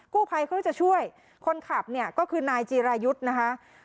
กู้ภัยเขาก็จะช่วยคนขับเนี่ยก็คือนายจีรายุทธ์นะคะ